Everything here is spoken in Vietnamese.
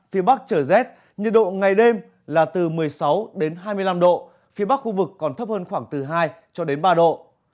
phía bắc trở rét nhiệt độ ngày đêm là từ một mươi sáu hai mươi năm độ phía bắc khu vực còn thấp hơn khoảng từ hai ba độ